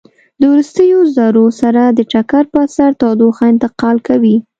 د وروستیو ذرو سره د ټکر په اثر تودوخه انتقال کوي.